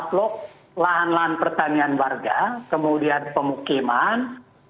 bukan tidak mungkin